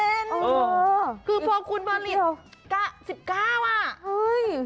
มันต้องมี๔คุณผลิต๑๙เซน